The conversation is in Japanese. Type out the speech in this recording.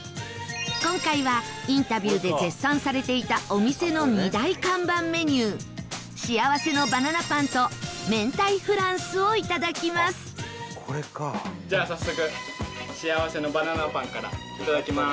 今回はインタビューで絶賛されていたお店の２大看板メニュー幸せのバナナぱんと明太フランスをいただきますじゃあ、早速幸せのバナナぱんからいただきます！